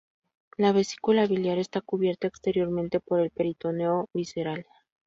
La vesícula biliar está cubierta exteriormente por el peritoneo visceral.